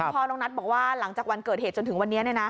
พ่อน้องนัทบอกว่าหลังจากวันเกิดเหตุจนถึงวันนี้